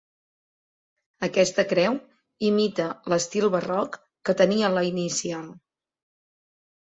Aquesta creu imita l'estil barroc que tenia la inicial.